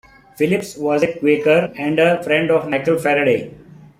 Phillips was a Quaker and a friend of Michael Faraday.